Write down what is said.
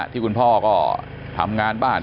ที่คุณพ่อก็ทำงานบ้าน